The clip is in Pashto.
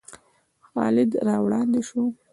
خالد را وړاندې شو.